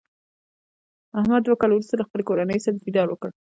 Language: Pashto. احمد دوه کاله ورسته له خپلې کورنۍ سره دیدار وکړ.